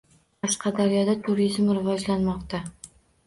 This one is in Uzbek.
Qashqadaryoda turizm rivojlanmoqda